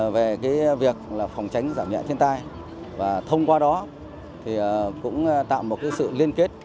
về việc phòng tránh giảm nhẹ thiên tai và thông qua đó thì cũng tạo một sự liên kết